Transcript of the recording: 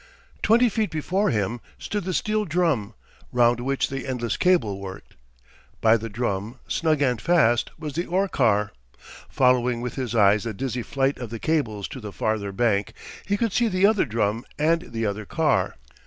Twenty feet before him stood the steel drum round which the endless cable worked. By the drum, snug and fast, was the ore car. Following with his eyes the dizzy flight of the cables to the farther bank, he could see the other drum and the other car.